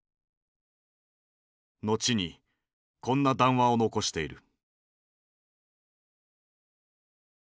後にこんな談話を残している。